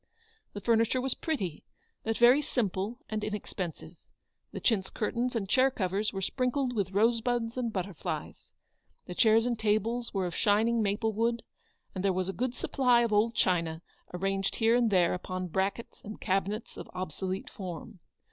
The furniture was pretty, but very simple and HAZLEW00D. 255 inexpensive. The chintz curtains and chair covers were sprinkled vrith rose buds and butterflies ; the chairs and tables were of shining maple wood; and there was a good supply of old china arranged here and there upon brackets and cabinets of obsolete form.